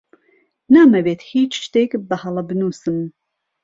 نامەوێت هیچ شتێک بەهەڵە بنووسم.